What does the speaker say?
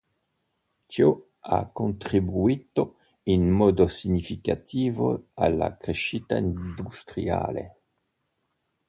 Ciò ha contribuito in modo significativo alla crescita industriale.